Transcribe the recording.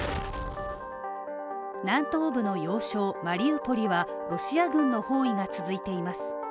南東部の要衝マリウポリはロシア軍の包囲が続いています。